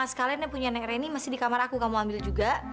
sama sekalian ya punya nek reni masih di kamar aku kamu ambil juga